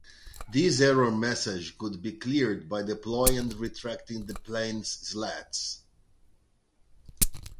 This error message could be cleared by deploying and retracting the plane's slats.